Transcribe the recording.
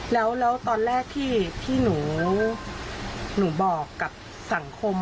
แล้วตอนแรกที่หนูบอกกับสังคม